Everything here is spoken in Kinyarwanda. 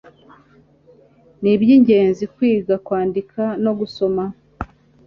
Nibyingenzi kwiga kwandika no gusoma